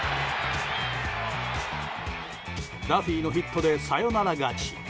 ダフィーのヒットでサヨナラ勝ち。